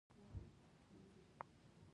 ډيپلومات د خپل هېواد ستراتیژۍ عملي کوي.